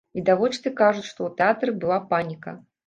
Відавочцы кажуць, што ў тэатры была паніка.